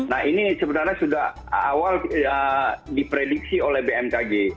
nah ini sebenarnya sudah awal diprediksi oleh bmkg